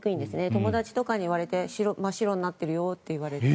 友達とかに言われて真っ白になってるよと言われて。